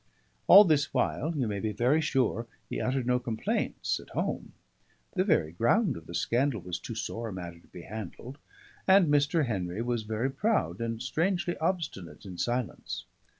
All this while, you may be very sure, he uttered no complaints at home; the very ground of the scandal was too sore a matter to be handled; and Mr. Henry was very proud, and strangely obstinate in silence.